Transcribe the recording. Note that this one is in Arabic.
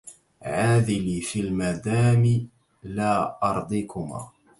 عاذلي في المدام لا أرضيكما